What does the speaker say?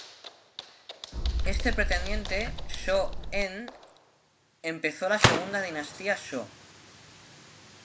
Este pretendiente, Shō En, empezó la Segunda Dinastía Shō.